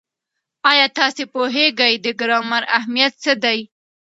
ایا تاسې پوهېږئ د ګرامر اهمیت څه دی؟